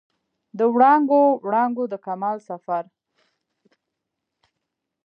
د وړانګو، وړانګو د کمال سفر